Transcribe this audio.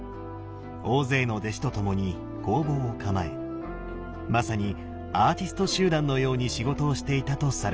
大勢の弟子と共に工房を構えまさにアーティスト集団のように仕事をしていたとされています。